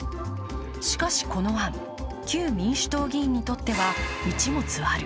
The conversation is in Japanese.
しかしこの案、旧民主党議員にとってはいちもつある。